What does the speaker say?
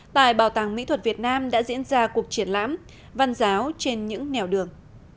tại bảo tàng mỹ thuật việt nam đã diễn ra cuộc triển lãm văn giáo trên những nẻo đường